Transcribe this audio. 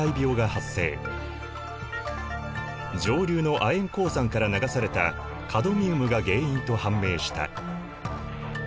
上流の亜鉛鉱山から流されたカドミウムが原因と判明した。